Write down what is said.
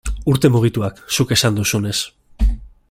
Urte mugituak, zuk esan duzunez.